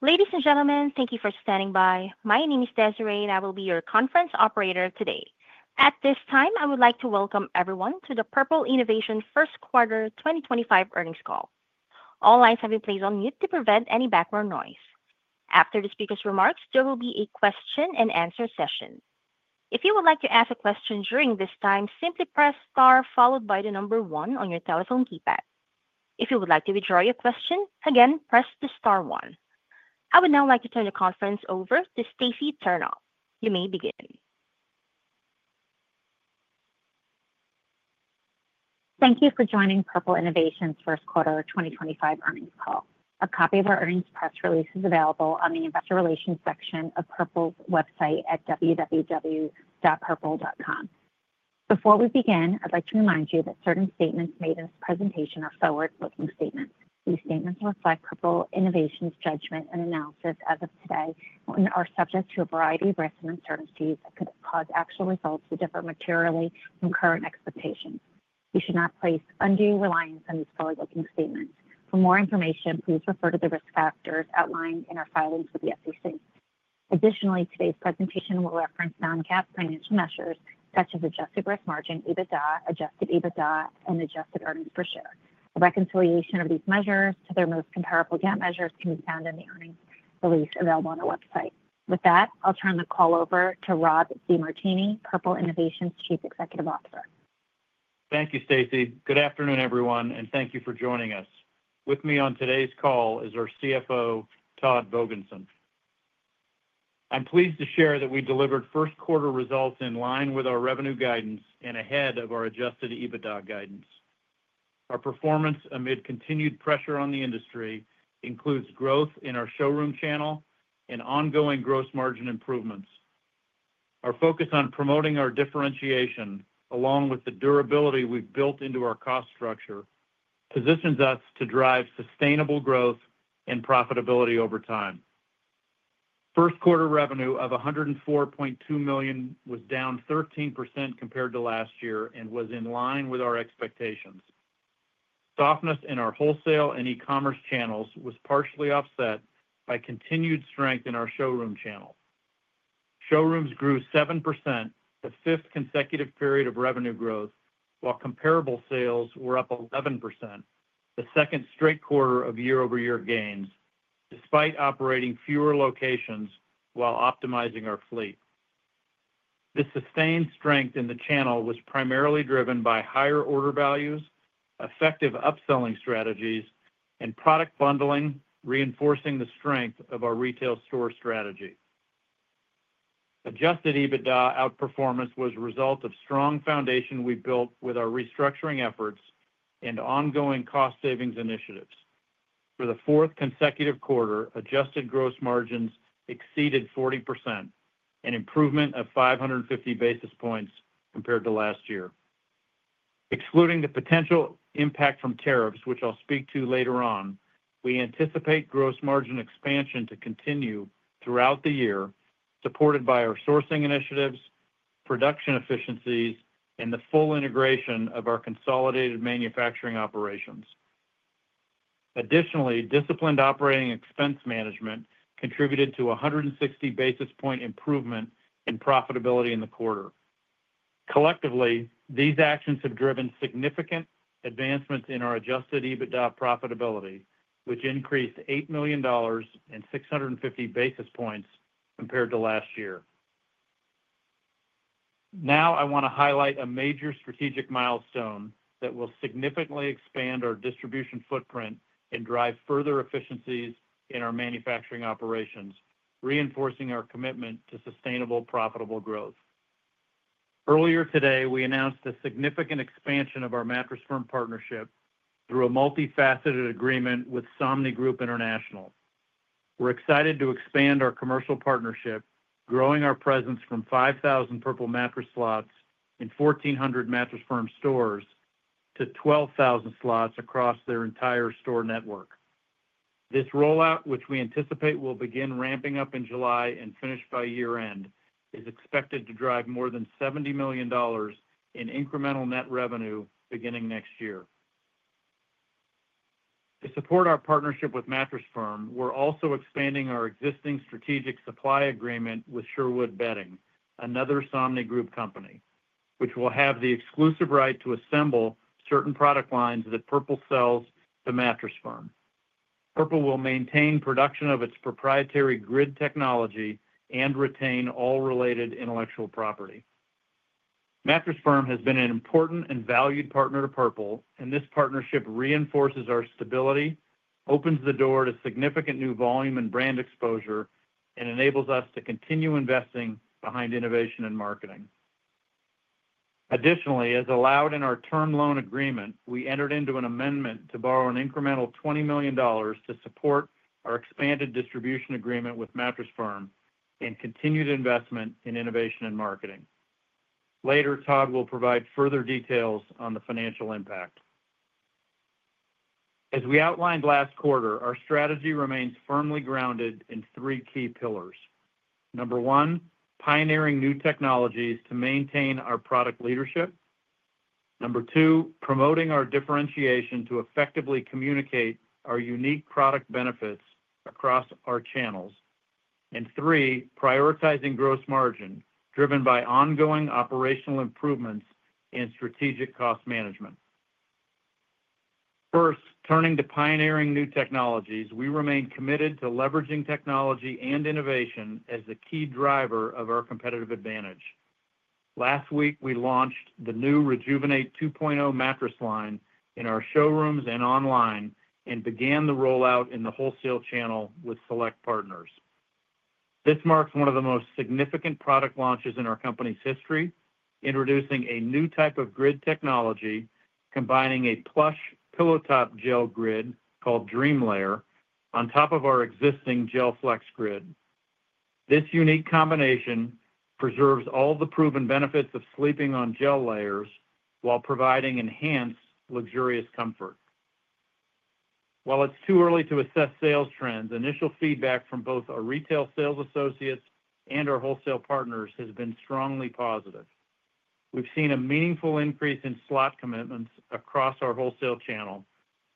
Ladies and gentlemen, thank you for standing by. My name is Desiree, and I will be your conference operator today. At this time, I would like to welcome everyone to the Purple Innovation First Quarter 2025 earnings call. All lines have been placed on mute to prevent any background noise. After the speaker's remarks, there will be a question-and-answer session. If you would like to ask a question during this time, simply press star followed by the number one on your telephone keypad. If you would like to withdraw your question, again, press the star one. I would now like to turn the conference over to Stacey Turner. You may begin. Thank you for joining Purple Innovation's First Quarter 2025 earnings call. A copy of our earnings press release is available on the investor relations section of Purple's website at www.purple.com. Before we begin, I'd like to remind you that certain statements made in this presentation are forward-looking statements. These statements reflect Purple Innovation's judgment and analysis as of today and are subject to a variety of risks and uncertainties that could cause actual results to differ materially from current expectations. You should not place undue reliance on these forward-looking statements. For more information, please refer to the risk factors outlined in our filings with the SEC. Additionally, today's presentation will reference non-GAAP financial measures such as adjusted gross margin, EBITDA, adjusted EBITDA, and adjusted earnings per share. A reconciliation of these measures to their most comparable GAAP measures can be found in the earnings release available on our website. With that, I'll turn the call over to Rob DeMartini, Purple Innovation's Chief Executive Officer. Thank you, Stacey. Good afternoon, everyone, and thank you for joining us. With me on today's call is our CFO, Todd Vogensen. I'm pleased to share that we delivered first-quarter results in line with our revenue guidance and ahead of our adjusted EBITDA guidance. Our performance amid continued pressure on the industry includes growth in our showroom channel and ongoing gross margin improvements. Our focus on promoting our differentiation, along with the durability we've built into our cost structure, positions us to drive sustainable growth and profitability over time. First-quarter revenue of $104.2 million was down 13% compared to last year and was in line with our expectations. Softness in our wholesale and e-commerce channels was partially offset by continued strength in our showroom channel. Showrooms grew 7%, the fifth consecutive period of revenue growth, while comparable sales were up 11%, the second straight quarter of year-over-year gains, despite operating fewer locations while optimizing our fleet. This sustained strength in the channel was primarily driven by higher order values, effective upselling strategies, and product bundling, reinforcing the strength of our retail store strategy. Adjusted EBITDA outperformance was the result of the strong foundation we built with our restructuring efforts and ongoing cost savings initiatives. For the fourth consecutive quarter, adjusted gross margins exceeded 40%, an improvement of 550 basis points compared to last year. Excluding the potential impact from tariffs, which I'll speak to later on, we anticipate gross margin expansion to continue throughout the year, supported by our sourcing initiatives, production efficiencies, and the full integration of our consolidated manufacturing operations. Additionally, disciplined operating expense management contributed to a 160 basis point improvement in profitability in the quarter. Collectively, these actions have driven significant advancements in our adjusted EBITDA profitability, which increased $8 million and 650 basis points compared to last year. Now, I want to highlight a major strategic milestone that will significantly expand our distribution footprint and drive further efficiencies in our manufacturing operations, reinforcing our commitment to sustainable, profitable growth. Earlier today, we announced the significant expansion of our Mattress Firm partnership through a multifaceted agreement with Somnigroup International. We're excited to expand our commercial partnership, growing our presence from 5,000 Purple mattress slots in 1,400 Mattress Firm stores to 12,000 slots across their entire store network. This rollout, which we anticipate will begin ramping up in July and finish by year-end, is expected to drive more than $70 million in incremental net revenue beginning next year. To support our partnership with Mattress Firm, we're also expanding our existing strategic supply agreement with Sherwood Bedding, another Somnigroup company, which will have the exclusive right to assemble certain product lines that Purple sells to Mattress Firm. Purple will maintain production of its proprietary grid technology and retain all related intellectual property. Mattress Firm has been an important and valued partner to Purple, and this partnership reinforces our stability, opens the door to significant new volume and brand exposure, and enables us to continue investing behind innovation and marketing. Additionally, as allowed in our term loan agreement, we entered into an amendment to borrow an incremental $20 million to support our expanded distribution agreement with Mattress Firm and continued investment in innovation and marketing. Later, Todd will provide further details on the financial impact. As we outlined last quarter, our strategy remains firmly grounded in three key pillars. Number one, pioneering new technologies to maintain our product leadership. Number two, promoting our differentiation to effectively communicate our unique product benefits across our channels. Number three, prioritizing gross margin driven by ongoing operational improvements and strategic cost management. First, turning to pioneering new technologies, we remain committed to leveraging technology and innovation as the key driver of our competitive advantage. Last week, we launched the new Rejuvenate 2.0 mattress line in our showrooms and online and began the rollout in the wholesale channel with select partners. This marks one of the most significant product launches in our company's history, introducing a new type of grid technology, combining a plush pillow-top gel grid called DreamLayer on top of our existing GelFlex Grid. This unique combination preserves all the proven benefits of sleeping on gel layers while providing enhanced luxurious comfort. While it's too early to assess sales trends, initial feedback from both our retail sales associates and our wholesale partners has been strongly positive. We've seen a meaningful increase in slot commitments across our wholesale channel,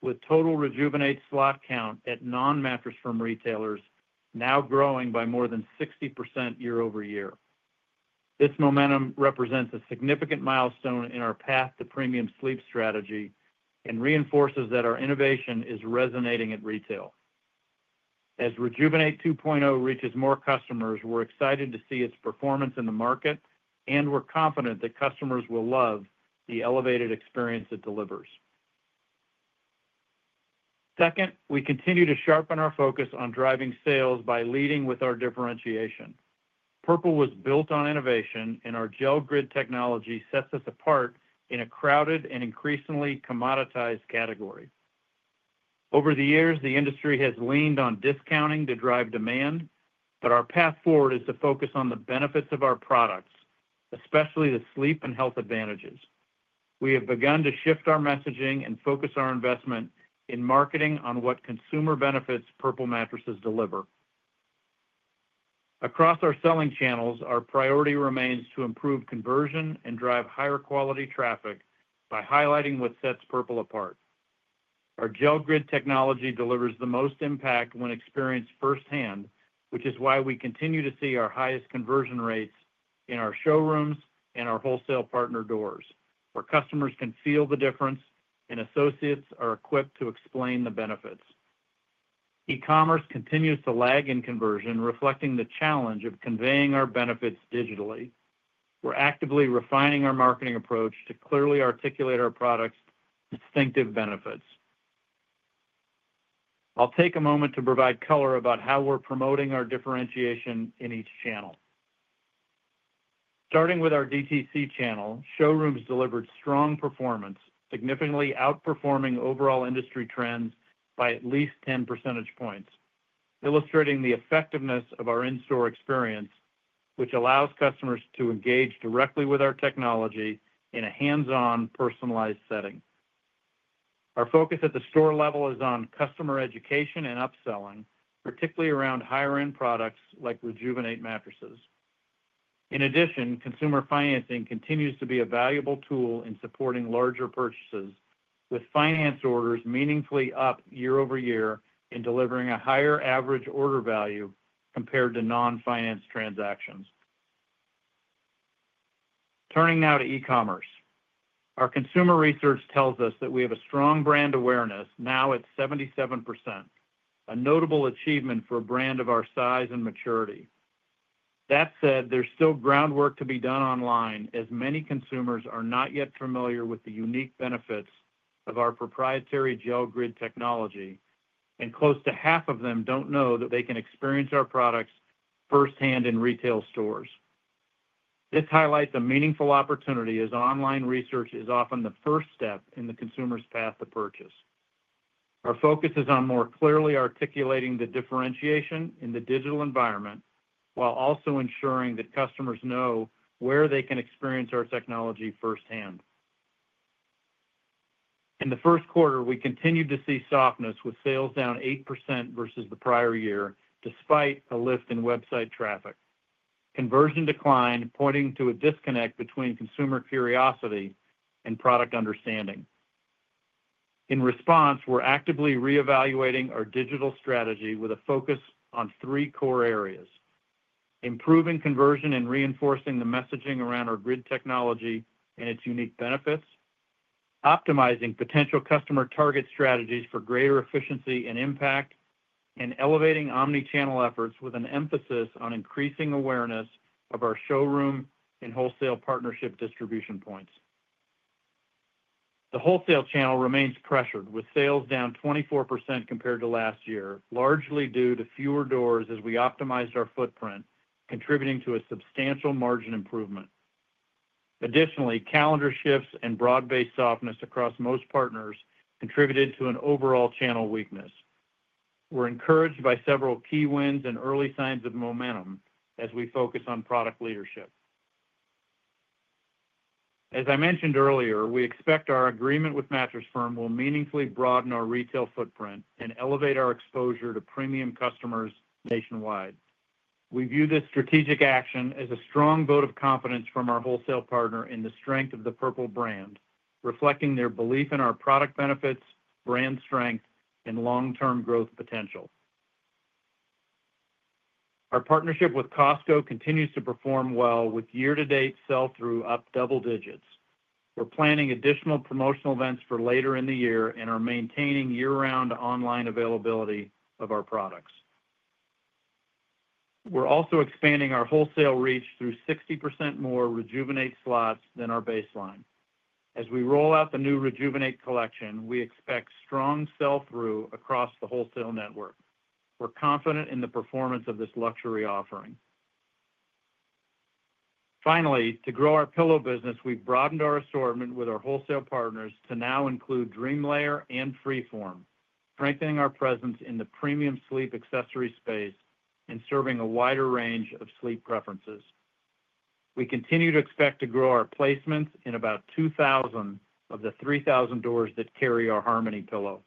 with total Rejuvenate slot count at non-Mattress Firm retailers now growing by more than 60% year-over-year. This momentum represents a significant milestone in our path to premium sleep strategy and reinforces that our innovation is resonating at retail. As Rejuvenate 2.0 reaches more customers, we're excited to see its performance in the market, and we're confident that customers will love the elevated experience it delivers. Second, we continue to sharpen our focus on driving sales by leading with our differentiation. Purple was built on innovation, and our gel grid technology sets us apart in a crowded and increasingly commoditized category. Over the years, the industry has leaned on discounting to drive demand, but our path forward is to focus on the benefits of our products, especially the sleep and health advantages. We have begun to shift our messaging and focus our investment in marketing on what consumer benefits Purple mattresses deliver. Across our selling channels, our priority remains to improve conversion and drive higher quality traffic by highlighting what sets Purple apart. Our gel grid technology delivers the most impact when experienced firsthand, which is why we continue to see our highest conversion rates in our showrooms and our wholesale partner doors, where customers can feel the difference and associates are equipped to explain the benefits. E-commerce continues to lag in conversion, reflecting the challenge of conveying our benefits digitally. We're actively refining our marketing approach to clearly articulate our product's distinctive benefits. I'll take a moment to provide color about how we're promoting our differentiation in each channel. Starting with our DTC channel, showrooms delivered strong performance, significantly outperforming overall industry trends by at least 10 percentage points, illustrating the effectiveness of our in-store experience, which allows customers to engage directly with our technology in a hands-on, personalized setting. Our focus at the store level is on customer education and upselling, particularly around higher-end products like Rejuvenate mattresses. In addition, consumer financing continues to be a valuable tool in supporting larger purchases, with finance orders meaningfully up year-over-year in delivering a higher average order value compared to non-finance transactions. Turning now to e-commerce, our consumer research tells us that we have a strong brand awareness now at 77%, a notable achievement for a brand of our size and maturity. That said, there's still groundwork to be done online, as many consumers are not yet familiar with the unique benefits of our proprietary gel grid technology, and close to half of them do not know that they can experience our products firsthand in retail stores. This highlights a meaningful opportunity as online research is often the first step in the consumer's path to purchase. Our focus is on more clearly articulating the differentiation in the digital environment while also ensuring that customers know where they can experience our technology firsthand. In the first quarter, we continued to see softness, with sales down 8% versus the prior year, despite a lift in website traffic. Conversion declined, pointing to a disconnect between consumer curiosity and product understanding. In response, we're actively reevaluating our digital strategy with a focus on three core areas: improving conversion and reinforcing the messaging around our grid technology and its unique benefits, optimizing potential customer target strategies for greater efficiency and impact, and elevating omnichannel efforts with an emphasis on increasing awareness of our showroom and wholesale partnership distribution points. The wholesale channel remains pressured, with sales down 24% compared to last year, largely due to fewer doors as we optimized our footprint, contributing to a substantial margin improvement. Additionally, calendar shifts and broad-based softness across most partners contributed to an overall channel weakness. We're encouraged by several key wins and early signs of momentum as we focus on product leadership. As I mentioned earlier, we expect our agreement with Mattress Firm will meaningfully broaden our retail footprint and elevate our exposure to premium customers nationwide. We view this strategic action as a strong vote of confidence from our wholesale partner in the strength of the Purple brand, reflecting their belief in our product benefits, brand strength, and long-term growth potential. Our partnership with Costco continues to perform well, with year-to-date sales through up double digits. We're planning additional promotional events for later in the year and are maintaining year-round online availability of our products. We're also expanding our wholesale reach through 60% more Rejuvenate slots than our baseline. As we roll out the new Rejuvenate collection, we expect strong sell-through across the wholesale network. We're confident in the performance of this luxury offering. Finally, to grow our pillow business, we've broadened our assortment with our wholesale partners to now include DreamLayer and Freeform, strengthening our presence in the premium sleep accessory space and serving a wider range of sleep preferences. We continue to expect to grow our placements in about 2,000 of the 3,000 doors that carry our Harmony Pillow.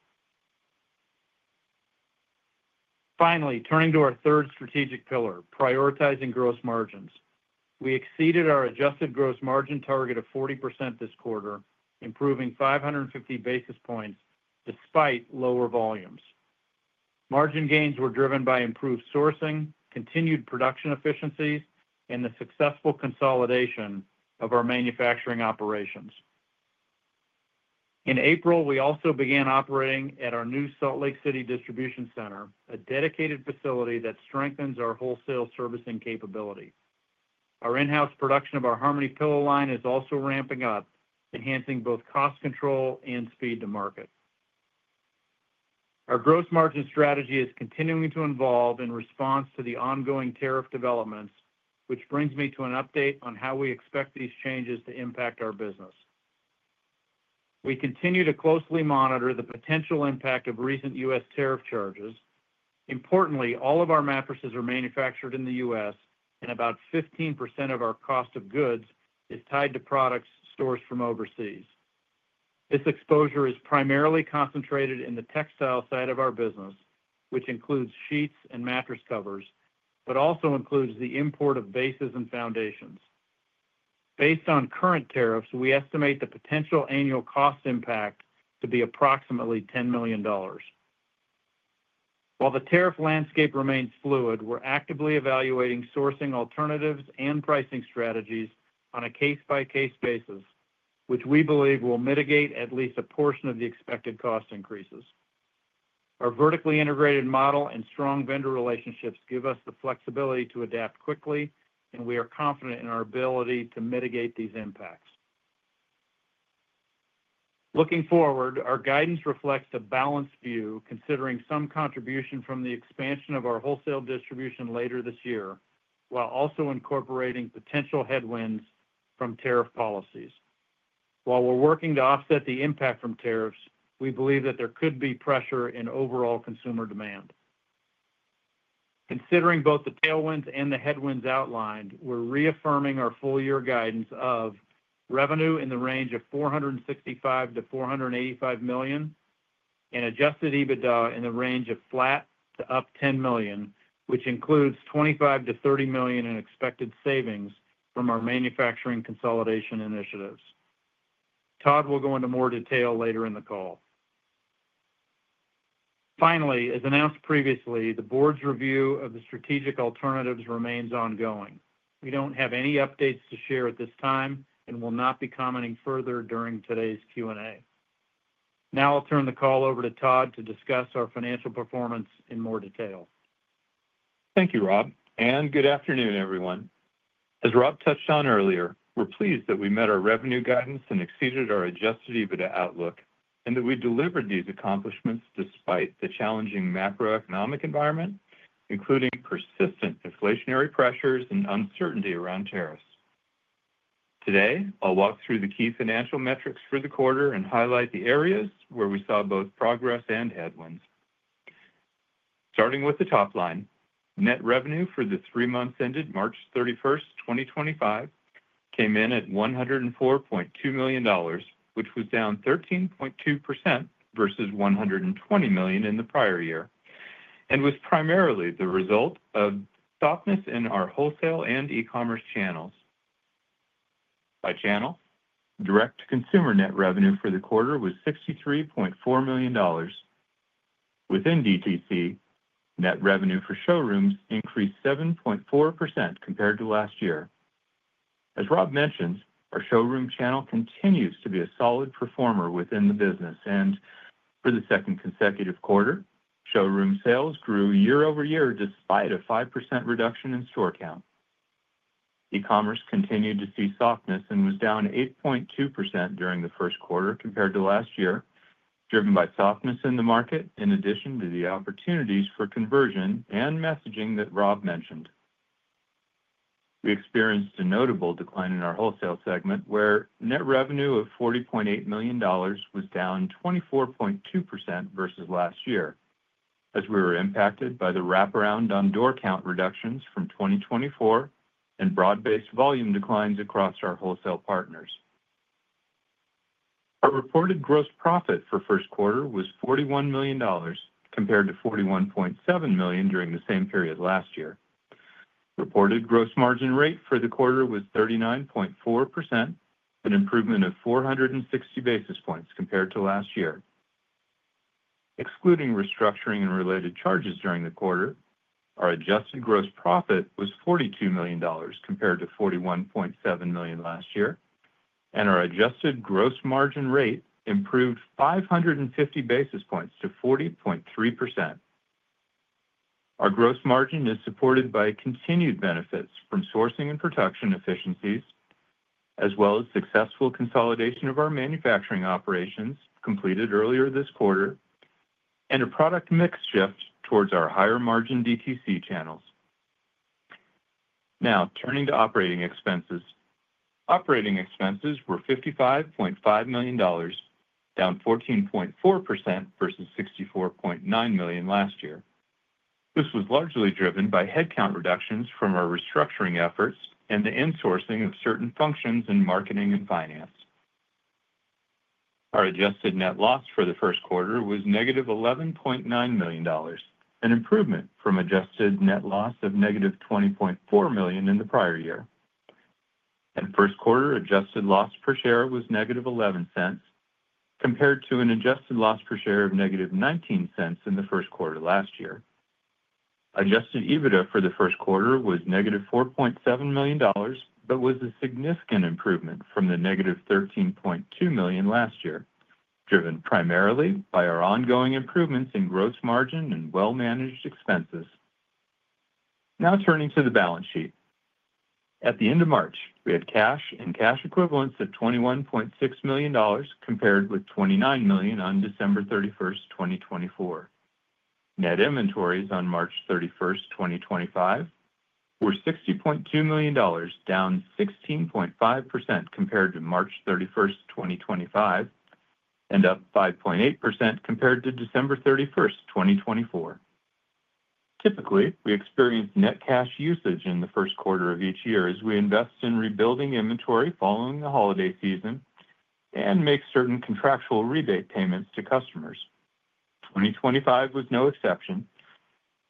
Finally, turning to our third strategic pillar, prioritizing gross margins. We exceeded our adjusted gross margin target of 40% this quarter, improving 550 basis points despite lower volumes. Margin gains were driven by improved sourcing, continued production efficiencies, and the successful consolidation of our manufacturing operations. In April, we also began operating at our new Salt Lake City distribution center, a dedicated facility that strengthens our wholesale servicing capability. Our in-house production of our Harmony Pillow line is also ramping up, enhancing both cost control and speed to market. Our gross margin strategy is continuing to evolve in response to the ongoing tariff developments, which brings me to an update on how we expect these changes to impact our business. We continue to closely monitor the potential impact of recent U.S. tariff charges. Importantly, all of our mattresses are manufactured in the U.S., and about 15% of our cost of goods is tied to products sourced from overseas. This exposure is primarily concentrated in the textile side of our business, which includes sheets and mattress covers, but also includes the import of bases and foundations. Based on current tariffs, we estimate the potential annual cost impact to be approximately $10 million. While the tariff landscape remains fluid, we're actively evaluating sourcing alternatives and pricing strategies on a case-by-case basis, which we believe will mitigate at least a portion of the expected cost increases. Our vertically integrated model and strong vendor relationships give us the flexibility to adapt quickly, and we are confident in our ability to mitigate these impacts. Looking forward, our guidance reflects a balanced view, considering some contribution from the expansion of our wholesale distribution later this year, while also incorporating potential headwinds from tariff policies. While we're working to offset the impact from tariffs, we believe that there could be pressure in overall consumer demand. Considering both the tailwinds and the headwinds outlined, we're reaffirming our full-year guidance of revenue in the range of $465 million-$485 million and adjusted EBITDA in the range of flat to up $10 million, which includes $25 million-$30 million in expected savings from our manufacturing consolidation initiatives. Todd will go into more detail later in the call. Finally, as announced previously, the board's review of the strategic alternatives remains ongoing. We don't have any updates to share at this time and will not be commenting further during today's Q&A.Now I'll turn the call over to Todd to discuss our financial performance in more detail. Thank you, Rob. And good afternoon, everyone. As Rob touched on earlier, we're pleased that we met our revenue guidance and exceeded our adjusted EBITDA outlook, and that we delivered these accomplishments despite the challenging macroeconomic environment, including persistent inflationary pressures and uncertainty around tariffs. Today, I'll walk through the key financial metrics for the quarter and highlight the areas where we saw both progress and headwinds. Starting with the top line, net revenue for the three months ended March 31st, 2025, came in at $104.2 million, which was down 13.2% versus $120 million in the prior year, and was primarily the result of softness in our wholesale and e-commerce channels. By channel, direct-to-consumer net revenue for the quarter was $63.4 million. Within DTC, net revenue for showrooms increased 7.4% compared to last year. As Rob mentioned, our showroom channel continues to be a solid performer within the business, and for the second consecutive quarter, showroom sales grew year-over-year despite a 5% reduction in store count. E-commerce continued to see softness and was down 8.2% during the first quarter compared to last year, driven by softness in the market in addition to the opportunities for conversion and messaging that Rob mentioned. We experienced a notable decline in our wholesale segment, where net revenue of $40.8 million was down 24.2% versus last year, as we were impacted by the wraparound on door count reductions from 2024 and broad-based volume declines across our wholesale partners. Our reported gross profit for first quarter was $41 million compared to $41.7 million during the same period last year. Reported gross margin rate for the quarter was 39.4%, an improvement of 460 basis points compared to last year. Excluding restructuring and related charges during the quarter, our adjusted gross profit was $42 million compared to $41.7 million last year, and our adjusted gross margin rate improved 550 basis points to 40.3%. Our gross margin is supported by continued benefits from sourcing and production efficiencies, as well as successful consolidation of our manufacturing operations completed earlier this quarter, and a product mix shift towards our higher-margin DTC channels. Now, turning to operating expenses. Operating expenses were $55.5 million, down 14.4% versus $64.9 million last year. This was largely driven by headcount reductions from our restructuring efforts and the insourcing of certain functions in marketing and finance. Our adjusted net loss for the first quarter was -$11.9 million, an improvement from adjusted net loss of -$20.4 million in the prior year. First quarter adjusted loss per share was -$0.11, compared to an adjusted loss per share of -$0.19 in the first quarter last year. Adjusted EBITDA for the first quarter was -$4.7 million, but was a significant improvement from the -$13.2 million last year, driven primarily by our ongoing improvements in gross margin and well-managed expenses. Now turning to the balance sheet. At the end of March, we had cash and cash equivalents of $21.6 million compared with $29 million on December 31st, 2024. Net inventories on March 31st, 2025, were $60.2 million, down 16.5% compared to March 31, 2024, and up 5.8% compared to December 31st, 2024. Typically, we experience net cash usage in the first quarter of each year as we invest in rebuilding inventory following the holiday season and make certain contractual rebate payments to customers, 2025 was no exception.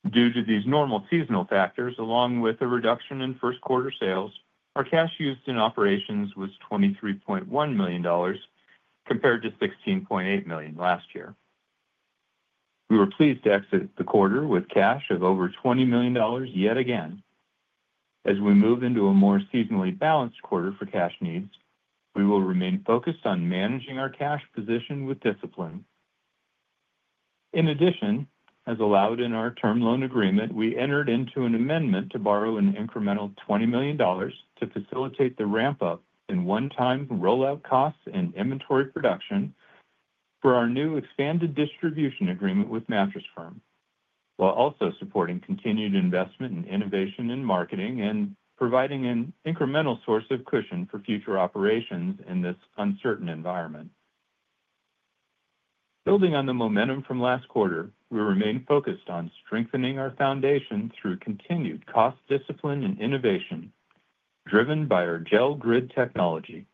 Due to these normal seasonal factors, along with a reduction in first-quarter sales, our cash used in operations was $23.1 million compared to $16.8 million last year. We were pleased to exit the quarter with cash of over $20 million yet again. As we move into a more seasonally balanced quarter for cash needs, we will remain focused on managing our cash position with discipline. In addition, as allowed in our term loan agreement, we entered into an amendment to borrow an incremental $20 million to facilitate the ramp-up in one-time rollout costs and inventory production for our new expanded distribution agreement with Mattress Firm, while also supporting continued investment in innovation and marketing and providing an incremental source of cushion for future operations in this uncertain environment. Building on the momentum from last quarter, we remain focused on strengthening our foundation through continued cost discipline and innovation driven by our gel grid technology.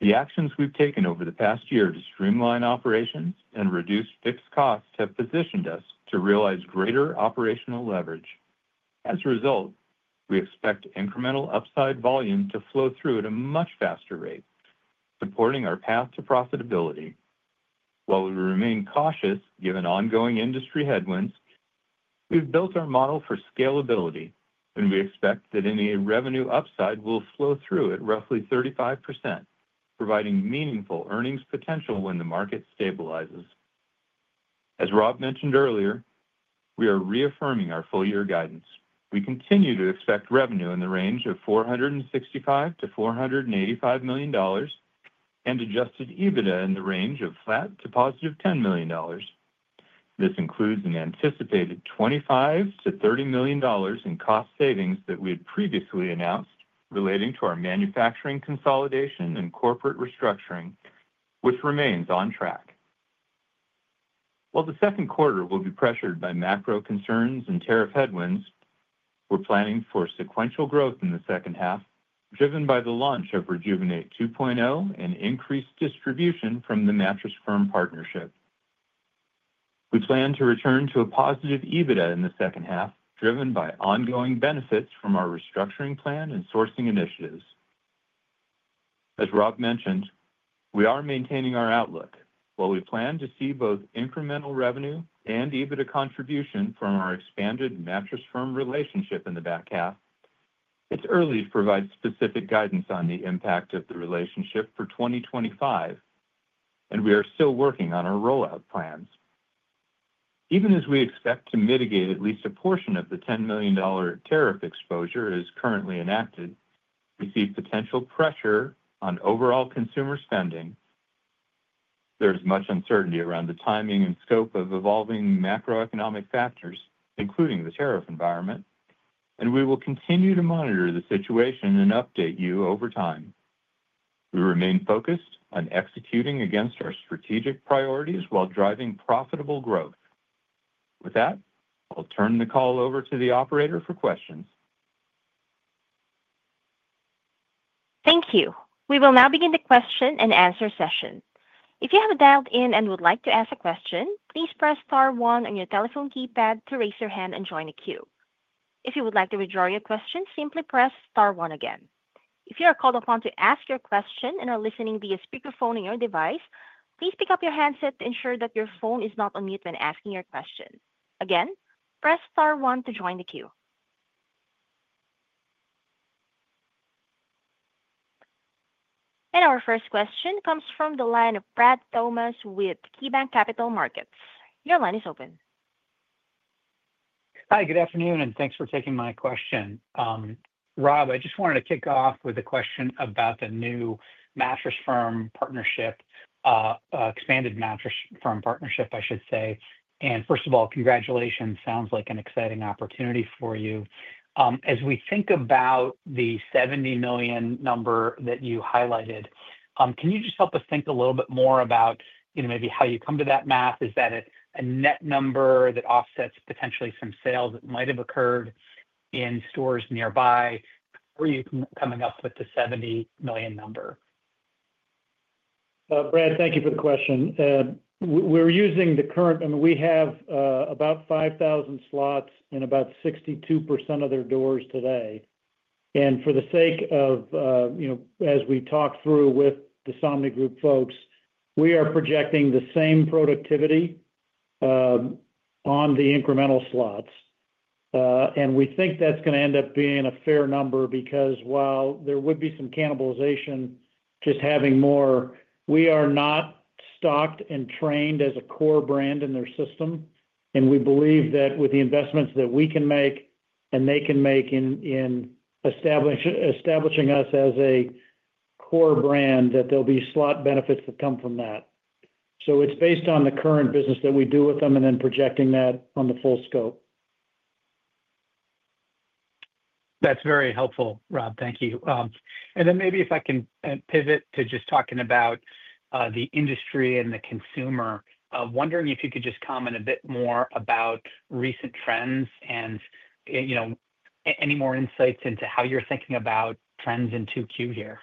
The actions we've taken over the past year to streamline operations and reduce fixed costs have positioned us to realize greater operational leverage. As a result, we expect incremental upside volume to flow through at a much faster rate, supporting our path to profitability. While we remain cautious given ongoing industry headwinds, we've built our model for scalability, and we expect that any revenue upside will flow through at roughly 35%, providing meaningful earnings potential when the market stabilizes. As Rob mentioned earlier, we are reaffirming our full-year guidance. We continue to expect revenue in the range of $465 million-$485 million and adjusted EBITDA in the range of flat to positive $10 million. This includes an anticipated $25 million-$30 million in cost savings that we had previously announced relating to our manufacturing consolidation and corporate restructuring, which remains on track. While the second quarter will be pressured by macro concerns and tariff headwinds, we're planning for sequential growth in the second half, driven by the launch of Rejuvenate 2.0 and increased distribution from the Mattress Firm partnership. We plan to return to a positive EBITDA in the second half, driven by ongoing benefits from our restructuring plan and sourcing initiatives. As Rob mentioned, we are maintaining our outlook. While we plan to see both incremental revenue and EBITDA contribution from our expanded Mattress Firm relationship in the back half, it's early to provide specific guidance on the impact of the relationship for 2025, and we are still working on our rollout plans. Even as we expect to mitigate at least a portion of the $10 million tariff exposure as currently enacted, we see potential pressure on overall consumer spending. There is much uncertainty around the timing and scope of evolving macroeconomic factors, including the tariff environment, and we will continue to monitor the situation and update you over time. We remain focused on executing against our strategic priorities while driving profitable growth. With that, I'll turn the call over to the operator for questions. Thank you. We will now begin the question and answer session. If you have dialed in and would like to ask a question, please press star one on your telephone keypad to raise your hand and join the queue. If you would like to withdraw your question, simply press star one again. If you are called upon to ask your question and are listening via speakerphone on your device, please pick up your handset to ensure that your phone is not on mute when asking your question. Again, press star one to join the queue. Our first question comes from the line of Brad Thomas with KeyBanc Capital Markets. Your line is open. Hi, good afternoon, and thanks for taking my question. Rob, I just wanted to kick off with a question about the new Mattress Firm partnership, expanded Mattress Firm partnership, I should say. First of all, congratulations. Sounds like an exciting opportunity for you. As we think about the $70 million number that you highlighted, can you just help us think a little bit more about maybe how you come to that math? Is that a net number that offsets potentially some sales that might have occurred in stores nearby before you're coming up with the $70 million number? Brad, thank you for the question. We're using the current—I mean, we have about 5,000 slots in about 62% of their doors today. For the sake of, as we talk through with the Somni Group folks, we are projecting the same productivity on the incremental slots. We think that's going to end up being a fair number because while there would be some cannibalization just having more, we are not stocked and trained as a core brand in their system. We believe that with the investments that we can make and they can make in establishing us as a core brand, that there'll be slot benefits that come from that. It is based on the current business that we do with them and then projecting that on the full scope. That is very helpful, Rob. Thank you. Maybe if I can pivot to just talking about the industry and the consumer, wondering if you could just comment a bit more about recent trends and any more insights into how you are thinking about trends in 2Q here.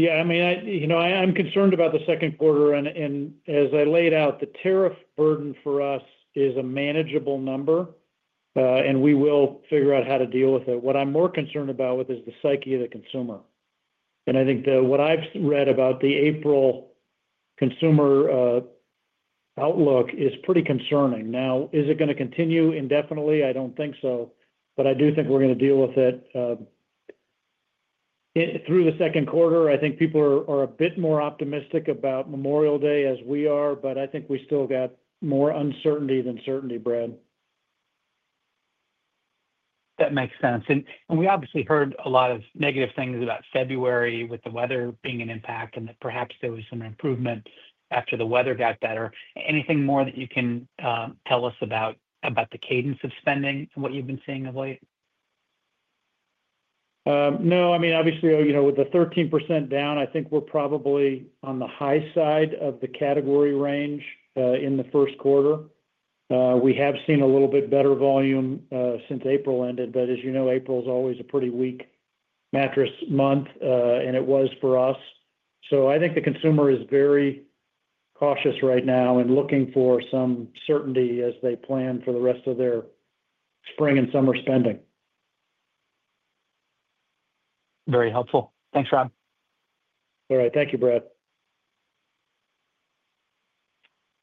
Yeah. I mean, I am concerned about the second quarter. As I laid out, the tariff burden for us is a manageable number, and we will figure out how to deal with it. What I am more concerned about is the psyche of the consumer. I think what I have read about the April consumer outlook is pretty concerning. Now, is it going to continue indefinitely? I do not think so, but I do think we're going to deal with it through the second quarter. I think people are a bit more optimistic about Memorial Day as we are, but I think we still got more uncertainty than certainty, Brad. That makes sense. We obviously heard a lot of negative things about February with the weather being an impact and that perhaps there was some improvement after the weather got better. Anything more that you can tell us about the cadence of spending and what you've been seeing of late? No. I mean, obviously, with the 13% down, I think we're probably on the high side of the category range in the first quarter. We have seen a little bit better volume since April ended, but as you know, April is always a pretty weak mattress month, and it was for us. I think the consumer is very cautious right now and looking for some certainty as they plan for the rest of their spring and summer spending. Very helpful. Thanks, Rob. All right. Thank you, Brad.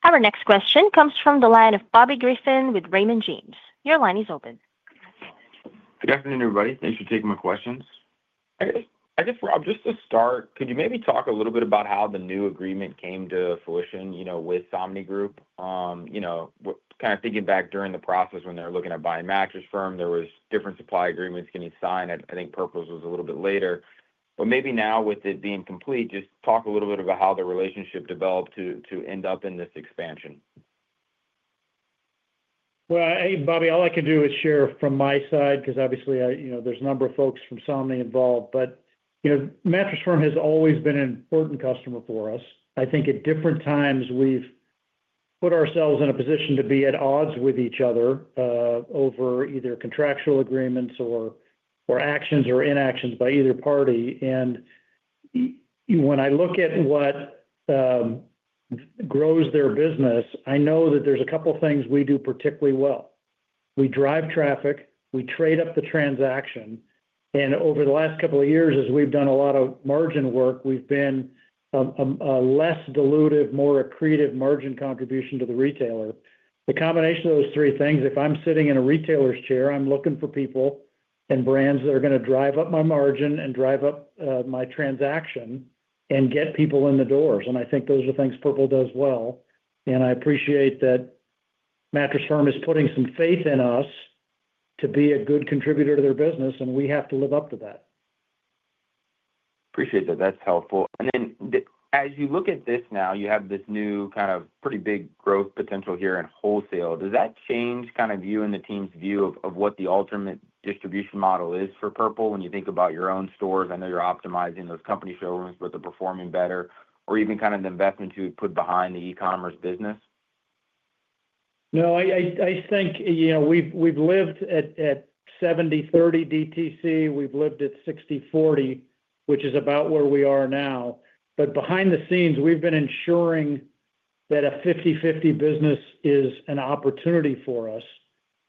Our next question comes from the line of Bobby Griffin with Raymond James. Your line is open. Good afternoon, everybody. Thanks for taking my questions. I guess, Rob, just to start, could you maybe talk a little bit about how the new agreement came to fruition with Somnigroup? Kind of thinking back during the process when they were looking at buying Mattress Firm, there were different supply agreements getting signed. I think Purple's was a little bit later. Maybe now, with it being complete, just talk a little bit about how the relationship developed to end up in this expansion. Hey, Bobby, all I can do is share from my side because obviously, there's a number of folks from Somni involved. Mattress Firm has always been an important customer for us. I think at different times, we've put ourselves in a position to be at odds with each other over either contractual agreements or actions or inactions by either party. When I look at what grows their business, I know that there's a couple of things we do particularly well. We drive traffic. We trade up the transaction. Over the last couple of years, as we've done a lot of margin work, we've been a less dilutive, more accretive margin contribution to the retailer. The combination of those three things, if I'm sitting in a retailer's chair, I'm looking for people and brands that are going to drive up my margin and drive up my transaction and get people in the doors. I think those are things Purple does well. I appreciate that Mattress Firm is putting some faith in us to be a good contributor to their business, and we have to live up to that. Appreciate that. That's helpful. As you look at this now, you have this new kind of pretty big growth potential here in wholesale. Does that change kind of you and the team's view of what the alternate distribution model is for Purple when you think about your own stores? I know you're optimizing those company showrooms, but they're performing better, or even kind of the investment you would put behind the e-commerce business? No, I think we've lived at 70/30 DTC. We've lived at 60/40, which is about where we are now. Behind the scenes, we've been ensuring that a 50/50 business is an opportunity for us.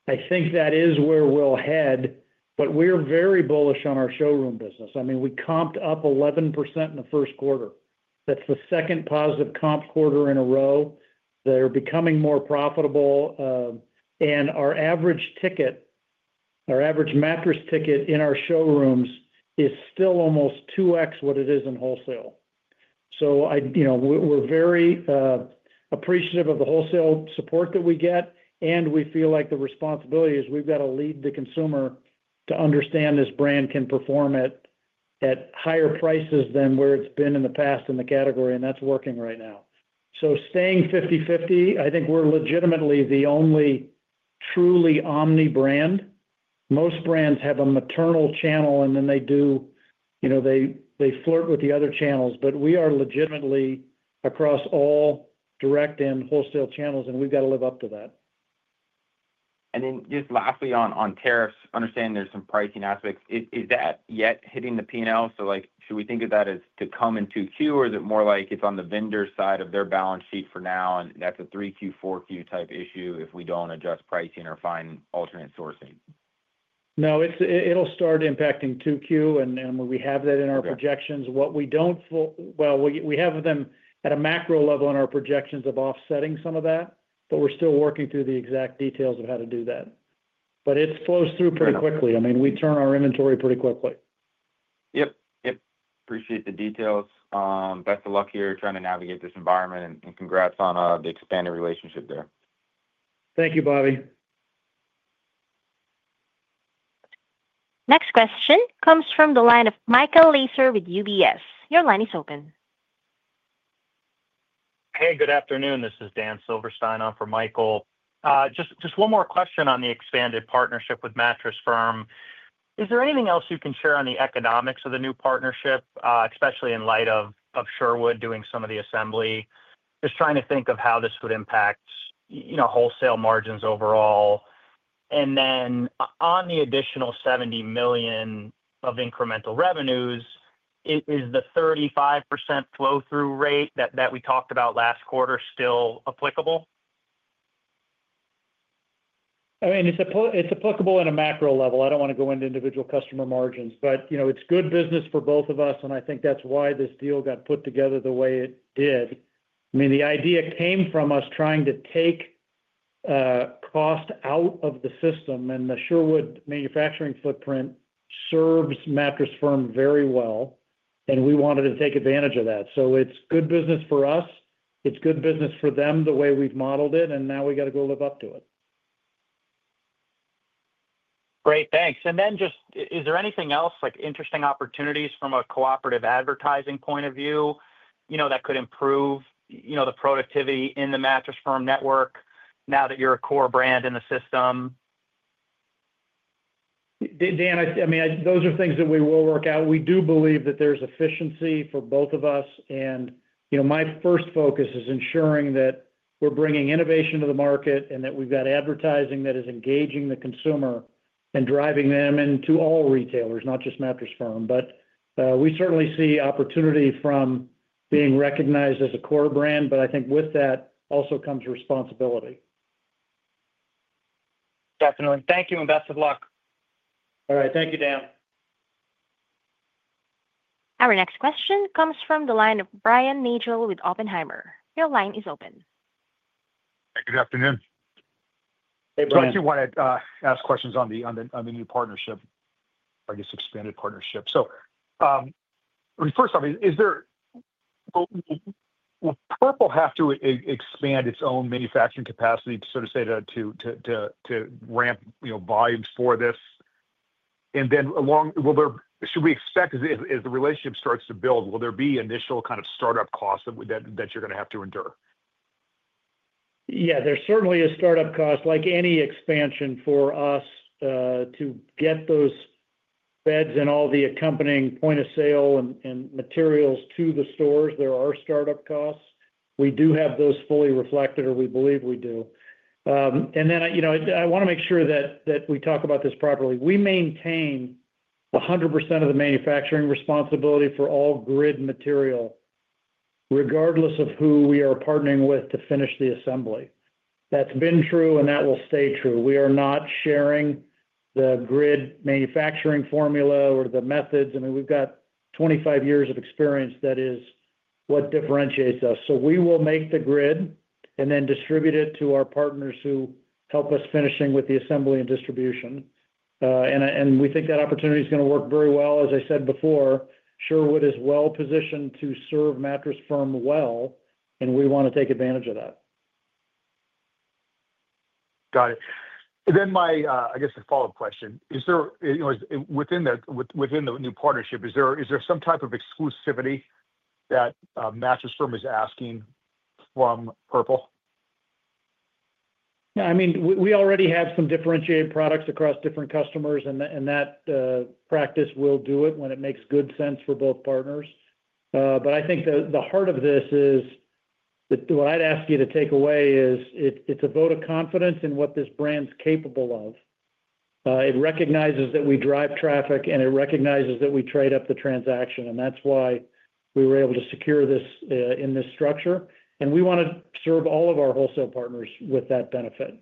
I think that is where we'll head, but we're very bullish on our showroom business. I mean, we comped up 11% in the first quarter. That's the second positive comp quarter in a row. They're becoming more profitable. Our average ticket, our average mattress ticket in our showrooms is still almost 2x what it is in wholesale. We're very appreciative of the wholesale support that we get, and we feel like the responsibility is we've got to lead the consumer to understand this brand can perform at higher prices than where it's been in the past in the category, and that's working right now. Staying 50/50, I think we're legitimately the only truly omni brand. Most brands have a maternal channel, and then they do, they flirt with the other channels. We are legitimately across all direct and wholesale channels, and we've got to live up to that. Lastly, on tariffs, understanding there's some pricing aspects. Is that yet hitting the P&L? Should we think of that as to come in 2Q, or is it more like it's on the vendor side of their balance sheet for now, and that's a 3Q, 4Q type issue if we don't adjust pricing or find alternate sourcing? No, it'll start impacting 2Q, and we have that in our projections. What we do not, well, we have them at a macro level in our projections of offsetting some of that, but we are still working through the exact details of how to do that. It flows through pretty quickly. I mean, we turn our inventory pretty quickly. Yeah. Appreciate the details. Best of luck here trying to navigate this environment, and congrats on the expanded relationship there. Thank you, Bobby. Next question comes from the line of Michael Lacer with UBS. Your line is open. Hey, good afternoon. This is Dan Silverstein on for Michael. Just one more question on the expanded partnership with Mattress Firm, is there anything else you can share on the economics of the new partnership, especially in light of Sherwood doing some of the assembly? Just trying to think of how this would impact wholesale margins overall. On the additional $70 million of incremental revenues, is the 35% flow-through rate that we talked about last quarter still applicable? I mean, it's applicable on a macro level. I don't want to go into individual customer margins, but it's good business for both of us, and I think that's why this deal got put together the way it did. I mean, the idea came from us trying to take cost out of the system, and the Sherwood manufacturing footprint serves Mattress Firm very well, and we wanted to take advantage of that. It's good business for us. It's good business for them the way we've modeled it, and now we got to go live up to it. Great. Thanks. Is there anything else, like interesting opportunities from a cooperative advertising point of view that could improve the productivity in the Mattress Firm network now that you're a core brand in the system? Dan, I mean, those are things that we will work out. We do believe that there's efficiency for both of us. My first focus is ensuring that we're bringing innovation to the market and that we've got advertising that is engaging the consumer and driving them into all retailers, not just Mattress Firm, but we certainly see opportunity from being recognized as a core brand. I think with that also comes responsibility. Definitely. Thank you, and best of luck. All right. Thank you, Dan. Our next question comes from the line of Brian Nagel with Oppenheimer. Your line is open. Hey, good afternoon. Hey, Brian. I just wanted to ask questions on the new partnership, I guess, expanded partnership. First off, will Purple have to expand its own manufacturing capacity, so to say, to ramp volumes for this? Should we expect, as the relationship starts to build, will there be initial kind of startup costs that you're going to have to endure? Yeah, there certainly is startup costs. Like any expansion for us, to get those beds and all the accompanying point of sale and materials to the stores, there are startup costs. We do have those fully reflected, or we believe we do. I want to make sure that we talk about this properly. We maintain 100% of the manufacturing responsibility for all grid material, regardless of who we are partnering with to finish the assembly. That's been true, and that will stay true. We are not sharing the grid manufacturing formula or the methods. I mean, we've got 25 years of experience that is what differentiates us. We will make the grid and then distribute it to our partners who help us finishing with the assembly and distribution. We think that opportunity is going to work very well. As I said before, Sherwood is well positioned to serve Mattress Firm well, and we want to take advantage of that. Got it. Then my, I guess, a follow-up question. Within the new partnership, is there some type of exclusivity that Mattress Firm is asking from Purple? Yeah. I mean, we already have some differentiated products across different customers, and that practice will do it when it makes good sense for both partners. I think the heart of this is what I'd ask you to take away is it's a vote of confidence in what this brand's capable of. It recognizes that we drive traffic, and it recognizes that we trade up the transaction. That is why we were able to secure this in this structure. We want to serve all of our wholesale partners with that benefit.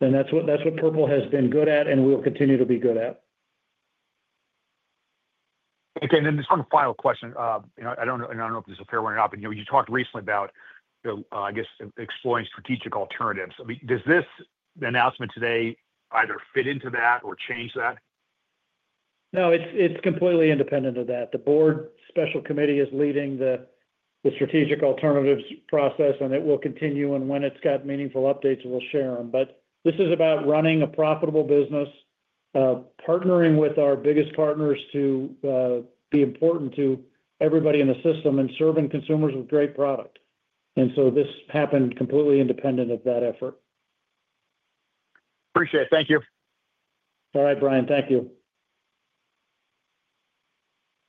That is what Purple has been good at and will continue to be good at. Okay. Just one final question. I do not know if this is a fair one or not, but you talked recently about, I guess, exploring strategic alternatives. Does this announcement today either fit into that or change that? No, it's completely independent of that. The board special committee is leading the strategic alternatives process, and it will continue. When it's got meaningful updates, we'll share them. This is about running a profitable business, partnering with our biggest partners to be important to everybody in the system, and serving consumers with great product. This happened completely independent of that effort. Appreciate it. Thank you. All right, Brian. Thank you.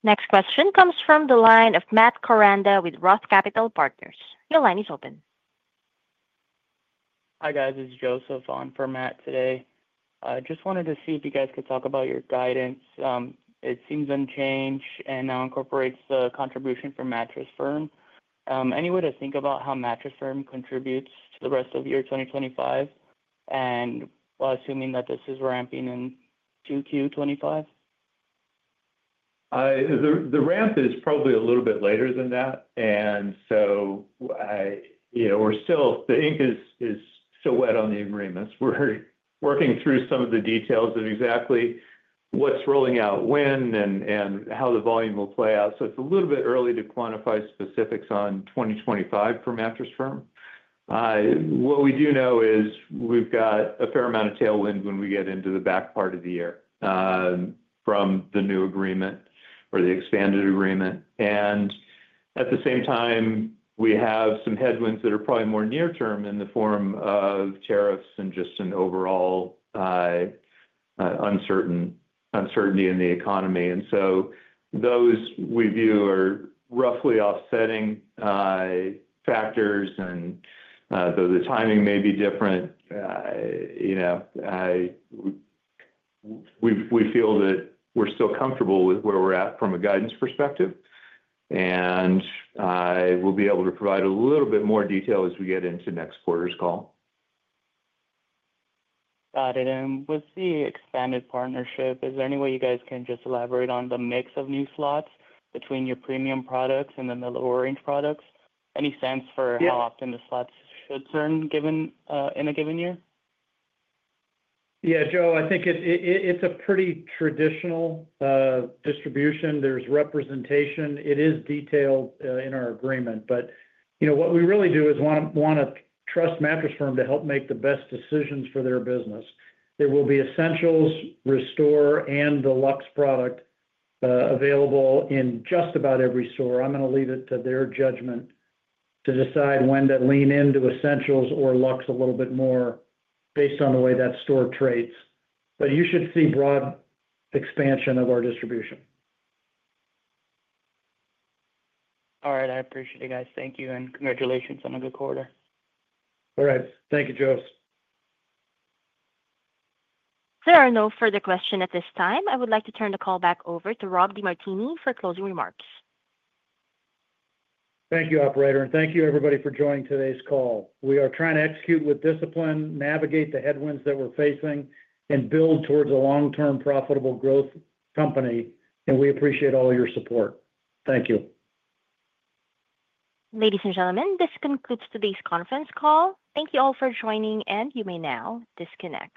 Next question comes from the line of Matt Caranda with Roth Capital Partners. Your line is open. Hi, guys. This is Joseph on for Matt today. I just wanted to see if you guys could talk about your guidance. It seems unchanged and now incorporates the contribution from Mattress Firm. Any way to think about how Mattress Firm contributes to the rest of year 2025? And assuming that this is ramping in 2Q 2025? The ramp is probably a little bit later than that. We are still, the ink is still wet on the agreements. We're working through some of the details of exactly what's rolling out when and how the volume will play out. It's a little bit early to quantify specifics on 2025 for Mattress Firm. What we do know is we've got a fair amount of tailwind when we get into the back part of the year from the new agreement or the expanded agreement. At the same time, we have some headwinds that are probably more near-term in the form of tariffs and just an overall uncertainty in the economy. Those we view are roughly offsetting factors. Though the timing may be different, we feel that we're still comfortable with where we're at from a guidance perspective. We'll be able to provide a little bit more detail as we get into next quarter's call. Got it. With the expanded partnership, is there any way you guys can just elaborate on the mix of new slots between your premium products and then the lower-range products? Any sense for how often the slots should turn in a given year? Yeah, Joe, I think it's a pretty traditional distribution. There's representation. It is detailed in our agreement. What we really do is want to trust Mattress Firm to help make the best decisions for their business. There will be essentials, restore, and deluxe product available in just about every store. I'm going to leave it to their judgment to decide when to lean into essentials or luxe a little bit more based on the way that store trades. You should see broad expansion of our distribution. All right. I appreciate it, guys. Thank you, and congratulations on a good quarter. All right. Thank you, Joseph. There are no further questions at this time. I would like to turn the call back over to Rob DeMartini for closing remarks. Thank you, Operator. Thank you, everybody, for joining today's call. We are trying to execute with discipline, navigate the headwinds that we're facing, and build towards a long-term profitable growth company. We appreciate all your support. Thank you. Ladies and gentlemen, this concludes today's conference call. Thank you all for joining, and you may now disconnect.